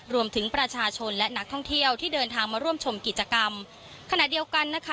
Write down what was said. รวมถึงประชาชนและนักท่องเที่ยวที่เดินทางมาร่วมชมกิจกรรมขณะเดียวกันนะคะ